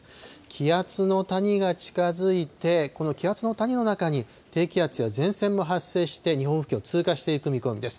気圧の谷が近づいて、この気圧の谷の中に低気圧や前線も発生して、日本付近を通過していく見込みです。